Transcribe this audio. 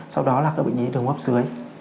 sau đó là các bệnh lý đường hô hấp dưới